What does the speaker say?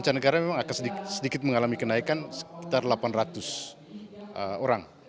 macanegara memang akan sedikit mengalami kenaikan sekitar delapan ratus orang